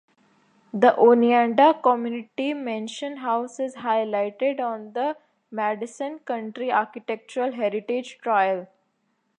The Oneida Community Mansion House is highlighted on the Madison County Architectural Heritage Trail.